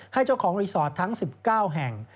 เจ้าของรีสอร์ททั้ง๑๙แห่ง